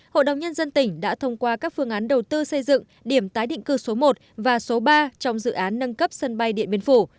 hội đồng nhân dân tỉnh đã thông qua các phương án đầu tư xây dựng điểm tái định cư số một và số ba trong dự án nâng cấp sân bay điện biên phủ